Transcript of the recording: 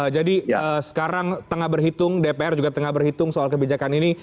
jadi sekarang tengah berhitung dpr juga tengah berhitung soal kebijakan ini